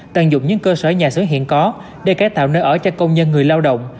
tận dụng những cơ sở nhà xưởng hiện có để cải tạo nơi ở cho công nhân người lao động